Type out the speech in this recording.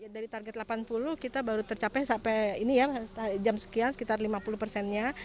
dari target delapan puluh kita baru tercapai sampai ini ya jam sekian sekitar lima puluh persennya